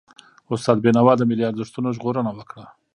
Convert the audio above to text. استاد بينوا د ملي ارزښتونو ژغورنه وکړه.